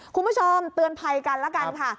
คุณผู้ชมเตือนภัยกันแล้วกันค่ะ